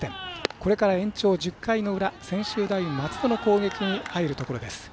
これから延長１０回の裏専修大松戸の攻撃に入るところです。